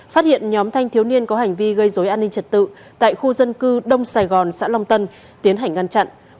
phát hiện nhóm thanh thiếu niên có hành vi gây dối an ninh trật tự tại khu dân cư đông sài gòn xã long tân tiến hành ngăn chặn